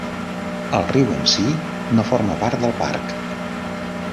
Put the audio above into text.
El riu en si no forma part del parc.